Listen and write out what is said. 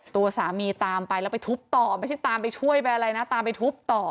ตัวสามีตามไปแล้วไปทุบต่อไม่ใช่ตามไปช่วยไปอะไรนะตามไปทุบต่อ